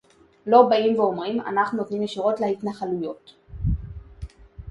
לא באים ואומרים: אנחנו נותנים ישירות להתנחלויות